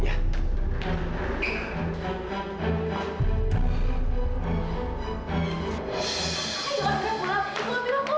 ibu amira tolong